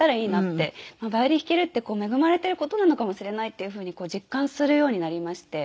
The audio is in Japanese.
ヴァイオリン弾けるって恵まれてる事なのかもしれないっていう風にこう実感するようになりまして。